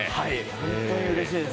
本当にうれしいです。